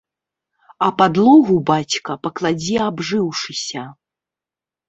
А падлогу бацька пакладзе абжыўшыся.